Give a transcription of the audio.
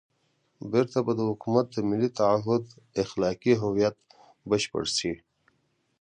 بېرته به د حکومت د ملي تعهُد اخلاقي هویت بشپړ شي.